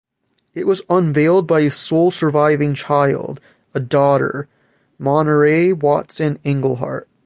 It was unveiled by his sole surviving child, a daughter - Monterey Watson Iglehart.